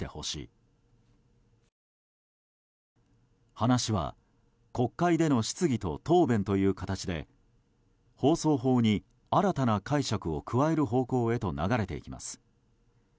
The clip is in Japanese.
話は国会での質疑と答弁という形で放送法に新たな解釈を加える方向へと流れていきます。